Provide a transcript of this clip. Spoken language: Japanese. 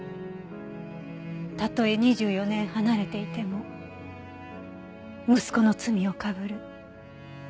たとえ２４年離れていても息子の罪をかぶる。